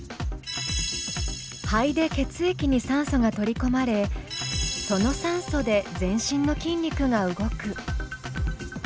肺で血液に酸素が取りこまれその酸素で全身の筋肉が動く。